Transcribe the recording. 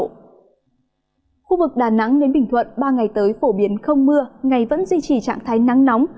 khu vực đà nẵng đến bình thuận ba ngày tới phổ biến không mưa ngày vẫn duy trì trạng thái nắng nóng